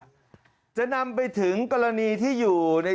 สวัสดีค่ะจะนำไปถึงกรณีที่อยู่ใน